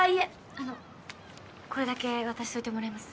あのこれだけ渡しといてもらえます？